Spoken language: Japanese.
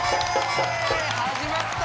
始まった！